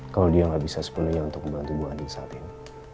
kalau dia gak bisa sepenuhnya untuk membantu mbak andin saat ini